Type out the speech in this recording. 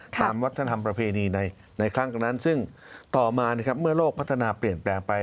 ตามวัฒนธรรมประเพณีในครั้งนั้นซึ่งต่อมาเมื่อโลกพัฒนาเปลี่ยนแปลงไป